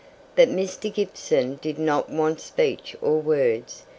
But Mr. Gibson did not want speech or words.